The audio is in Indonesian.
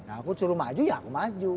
aku disuruh maju ya aku maju